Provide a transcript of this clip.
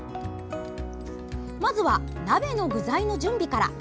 まずは鍋の具材の準備から。